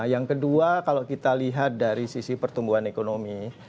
yang kedua kalau kita lihat dari sisi pertumbuhan ekonomi